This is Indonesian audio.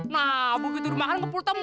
nah begitu dimakan ke mulutnya